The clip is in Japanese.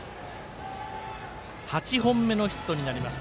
８本目のヒットになりました。